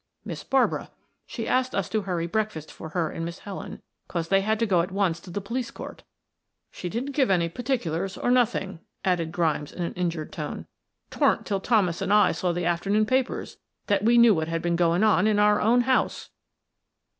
"Miss Barbara. She asked us to hurry breakfast for her and Miss Helen 'cause they had to go at once to the police court; she didn't give any particulars, or nothing," added Grimes in an injured tone. "'Twarn't 'til Thomas and I saw the afternoon papers that we knew what had been going on in our own house."